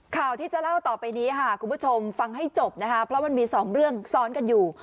ข่าวที่จะเล่าต่อไปนี้ค่ะคุณผู้ชมฟังให้จบนะคะเพราะมันมีสองเรื่องซ้อนกันอยู่